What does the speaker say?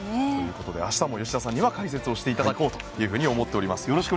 明日も吉田さんに解説していただこうと思います。